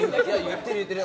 言ってる、言ってる。